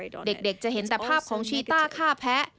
เด็กจะเห็นแต่ภาพของชีต้าฆ่าแพ้